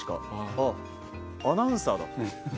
あっ、アナウンサーだ。